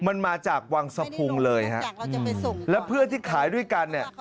มันมาจากวังสภูมิเลยครับและเพื่อที่ขายด้วยกันเนี่ย